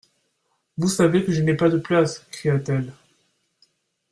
Vous savez que je n'ai pas de place, cria-t-elle.